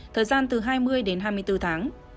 thời gian từ hai mươi đến hai mươi bốn tháng